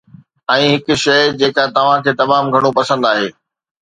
۽ هڪ شيء جيڪا توهان کي تمام گهڻو پسند آهي